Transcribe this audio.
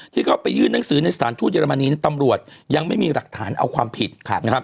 ที่เขาไปยื่นหนังสือในสถานทูตเยอรมนีนั้นตำรวจยังไม่มีหลักฐานเอาความผิดนะครับ